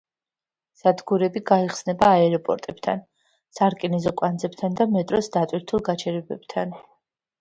სადგურები გაიხსნება აეროპორტებთან, სარკინიგზო კვანძებთან და მეტროს დატვირთულ გაჩერებებთან.